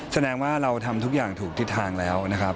แสดงว่าเราทำทุกอย่างถูกทิศทางแล้วนะครับ